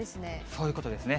そういうことですね。